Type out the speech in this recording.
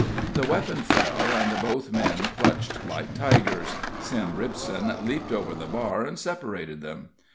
The weapon fell, and both men clutched like tigers. Sim Ripson leaped over the bar and separated them.